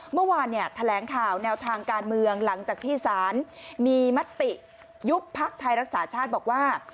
เมื่อวานเนี่ยแถลงข่าวแนวทางการเมืองหลังจากที่สารมีมติยุบพักไทยรักษาชาติบอกว่า